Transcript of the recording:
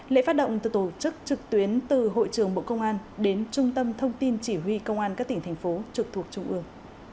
lễ phát động từ tổ chức trực tuyến từ hội trưởng bộ công an đến trung tâm thông tin chỉ huy công an các tỉnh thành phố trực thuộc trung ương